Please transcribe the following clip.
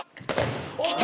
きた！